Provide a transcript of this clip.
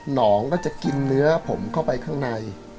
น้องก็จะกินเนื้อผมเข้าไปข้างใน